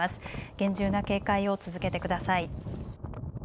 厳重な警戒を続けてください。